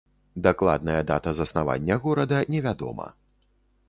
Дакладная дата заснавання горада невядома.